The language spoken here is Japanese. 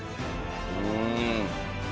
うん。